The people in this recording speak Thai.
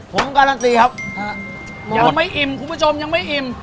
ผมการันตีครับยังไม่อิ่มคุณผู้ชมยังไม่อิ่ม